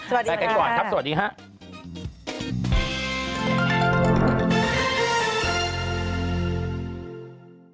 สวัสดีค่ะสวัสดีค่ะไปกันก่อนครับสวัสดีค่ะสวัสดีค่ะ